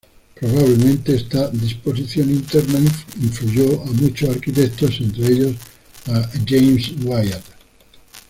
Probablemente esta disposición interna influyó a muchos arquitectos, entre ellos a James Wyatt.